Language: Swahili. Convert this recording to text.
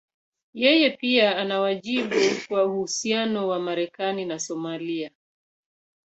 Yeye pia ana wajibu kwa uhusiano wa Marekani na Somalia.